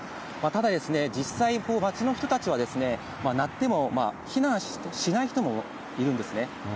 ただですね、実際街の人たちは、鳴っても避難しない人もいるんですね。